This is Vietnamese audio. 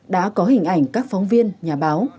đã có hình ảnh các phóng viên nhà báo